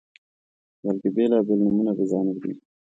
بلکې بیلابیل نومونه په ځان ږدي